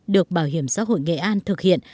được bảo hiểm xã hội nghệ an thực hiện